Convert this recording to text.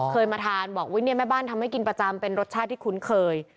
เคยมาทานบอกอุ๊ยเนี่ยแม่บ้านทำให้กินประจำเป็นรสชาติที่คุ้นเคย